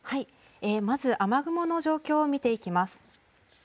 まず雨雲の状況を見ていきます。